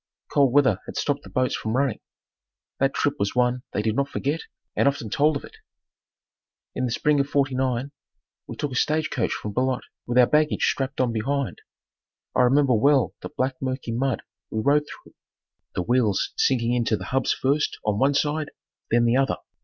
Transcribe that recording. Cold weather had stopped the boats from running. That trip was one they did not forget and often told of it. In the spring of '49 we took a stage coach from Beloit, with our baggage strapped on behind. I remember well the black mucky mud we rode through, the wheels sinking in to the hubs first on one side then the other.